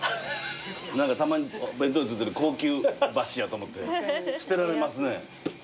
たまに弁当に付いてる高級箸やと思って捨てられますね。